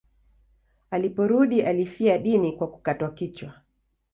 Aliporudi alifia dini kwa kukatwa kichwa.